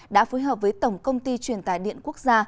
đã phối hợp với tổng công ty truyền tài điện quốc gia